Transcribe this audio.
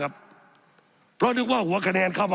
สับขาหลอกกันไปสับขาหลอกกันไป